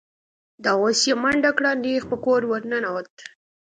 دا اوس یې منډه کړه، نېغ په کور ور ننوت.